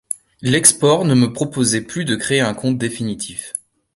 L'export ne me proposait plus de créer un compte définitif.